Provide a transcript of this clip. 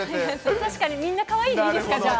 確かにみんなかわいいでいいですか？